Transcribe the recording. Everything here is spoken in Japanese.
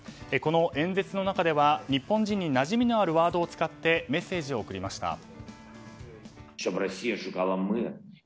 この演説の中では日本人になじみのあるワードを使ってメッセージを送りました。